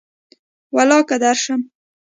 ولاکه درشم